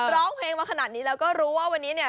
ร้องเพลงมาขนาดนี้แล้วก็รู้ว่าวันนี้เนี่ย